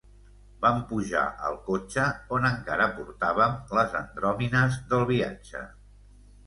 Vam pujar al cotxe on encara portàvem les andròmines del viatge.